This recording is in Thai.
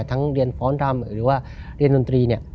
เรียนฟ้อนรำหรือว่าเรียนดนตรีเนี่ย